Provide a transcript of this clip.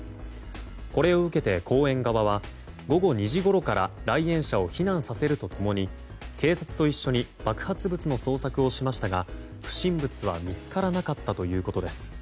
これを受けて、公園側は午後２時ごろから来園者を避難させると共に警察と一緒に爆発物の捜索をしましたが不審物は見つからなかったということです。